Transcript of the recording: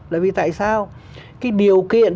là vì tại sao cái điều kiện